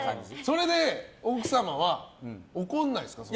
それで奥様は怒らないんですか？